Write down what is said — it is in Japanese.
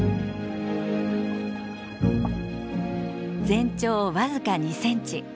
全長僅か２センチ。